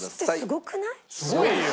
すごいよ！